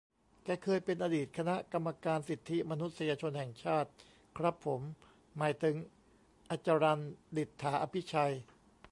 แกเคยเป็นอดีตคณะกรรมการสิทธิมนุษยชนแห่งชาติ ครับผมหมายถึง อจรัล ดิษฐาอภิชัย